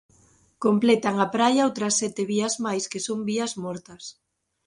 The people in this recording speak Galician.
Completan a praia outras sete vías máis que son vías mortas.